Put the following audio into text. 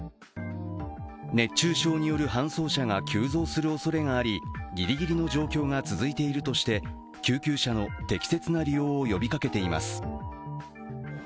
熱中症による搬送者が急増するおそれがあり、ぎりぎりの状況が続いているとし、救急車の適切な利用を呼びかけています。